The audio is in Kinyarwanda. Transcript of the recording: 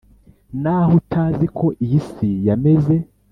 nkaho utazi ko iyisi yameze